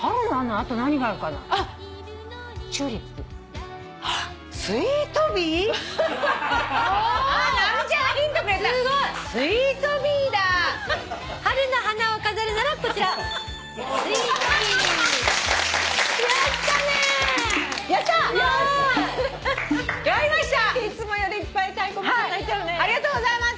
ありがとうございます。